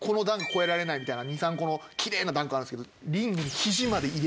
みたいな２３個のキレイなダンクあるんですけど。